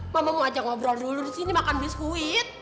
mama mau ajak ngobrol dulu disini makan biskuit